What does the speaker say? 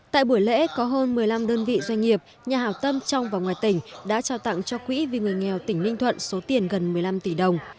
tại buổi lễ có hơn một mươi năm đơn vị doanh nghiệp nhà hào tâm trong và ngoài tỉnh đã trao tặng cho quỹ vì người nghèo tỉnh ninh thuận số tiền gần một mươi năm tỷ đồng